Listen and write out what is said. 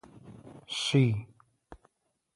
Шъий.